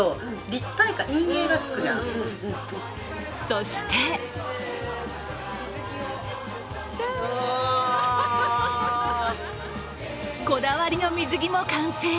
そしてこだわりの水着も完成。